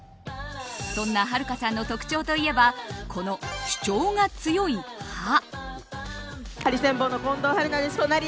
そんなはるかさんの特徴といえばこの主張が強い歯。